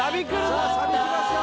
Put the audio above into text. さあサビきますよ